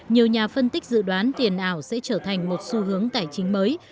nhiều nhà phân tích dự đoán tiền ảo sẽ trở thành một xu hướng tài chính mới